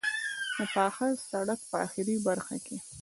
د پاخه سړک په آخري برخه کې.